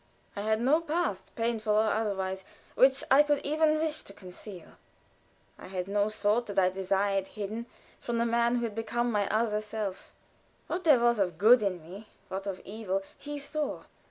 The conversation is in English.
I had no past, painful or otherwise, which I could even wish to conceal; I had no thought that I desired hidden from the man who had become my other self. What there was of good in me, what of evil, he saw.